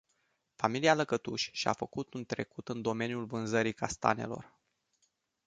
Familia Lăcătuș și-a făcut un trecut în domeniul vânzării castanelor.